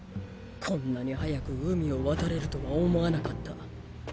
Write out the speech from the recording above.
こんなに早く海を渡れるとは思わなかった。